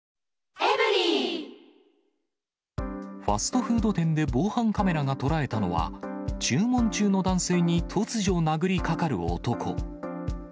ファストフード店で防犯カメラが捉えたのは、注文中の男性に突如殴りかかる男。